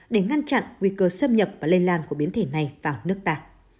để ngăn chặn nguy cơ xâm nhập và lây lan của biến thể này vào nước ta